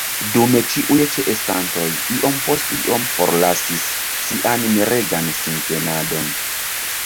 Dume ĉiuj ĉeestantoj iom post iom forlasis sian miregan sintenadon.